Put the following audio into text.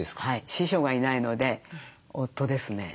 師匠がいないので夫ですね。